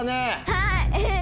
はい！